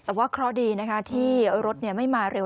แต่ว่าเคราะห์ดีนะคะที่รถไม่มาเร็ว